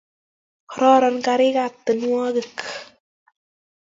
kororon karikab tienwogik